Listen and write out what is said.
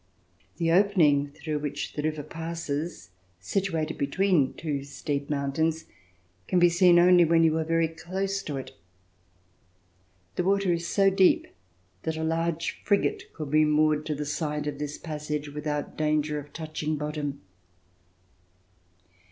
The opening through which the river A VISIT TO NEW YORK passes, situated between two steep mountains, can be seen only when you are very close to it. The water is so deep that a large frigate could be moored to the side of this passage without danger of touching bottom.